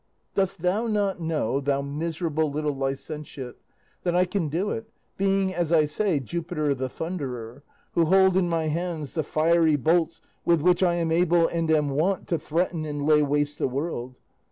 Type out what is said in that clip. Dost thou not know, thou miserable little licentiate, that I can do it, being, as I say, Jupiter the Thunderer, who hold in my hands the fiery bolts with which I am able and am wont to threaten and lay waste the world?